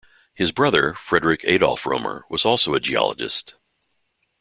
His brother, Friedrich Adolph Roemer, was also a geologist.